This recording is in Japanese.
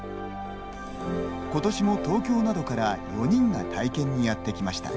ことしも東京などから４人が体験にやってきました。